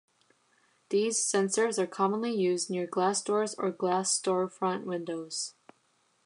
These sensors are commonly used near glass doors or glass store-front windows.